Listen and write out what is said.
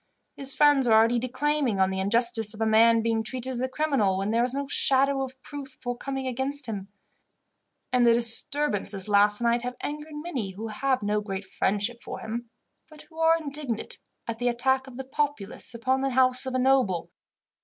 His friends are already declaiming on the injustice of a man being treated as a criminal, when there is no shadow of proof forthcoming against him; and the disturbances last night have angered many who have no great friendship for him, but who are indignant at the attack of the populace upon the house of a noble.